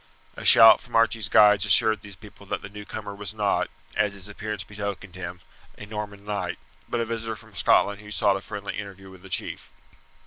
A shout from Archie's guides assured these people that the newcomer was not, as his appearance betokened him, a Norman knight, but a visitor from Scotland who sought a friendly interview with the chief.